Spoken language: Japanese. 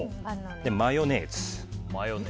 マヨネーズ